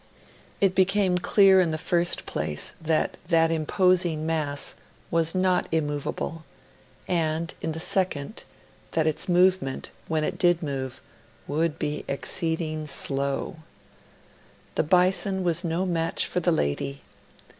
It became clear, in the first place, that that imposing mass was not immovable, and, in the second, that its movement, when it did move, would be exceeding slow. The Bison was no match for the Lady.